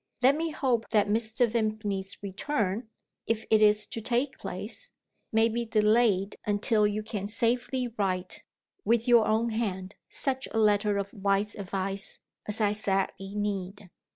Let me hope that Mr. Vimpany's return (if it is to take place) may be delayed until you can safely write, with your own hand, such a letter of wise advice as I sadly need.